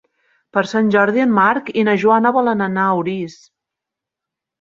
Per Sant Jordi en Marc i na Joana volen anar a Orís.